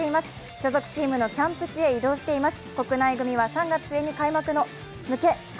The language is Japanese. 所属チームのキャンプ地に移動しています。